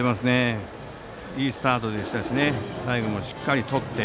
いいスタートでしたし最後もしっかりととって。